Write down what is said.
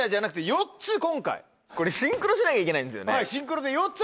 これシンクロしなきゃいけないんですよね。